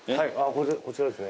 こちらですね。